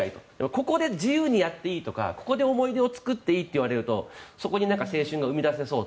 ここで自由にやっていいとかここで思い出を作っていいと言われるとそこに青春が生み出せそう。